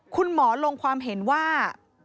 คุณหมอลงความเห็นว่า